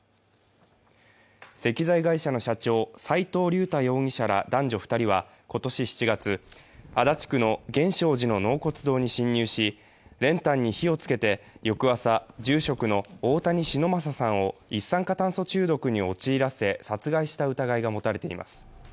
石材会社の社長、斉藤竜太容疑者ら男女２人は今年７月、足立区の源証寺の納骨堂に侵入し練炭に火をつけて翌朝、住職の大谷忍昌さんを一酸化炭素中毒に陥らせ、殺害した疑いが持たれています。